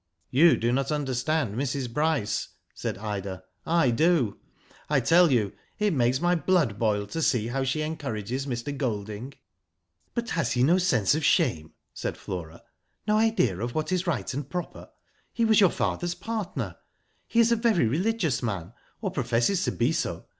"You do not understand Mrs. Bryce/' said Ida; "I do. I tell you it makes my blood boil, to see how she encourages Mr. Golding." F Digitized byGoogk 66 WHO DID ITf "But has he no sense of shame?" said Flora, "no idea Of what is right and proper? He was your father's partner. He is a very religious man, or professes to be so.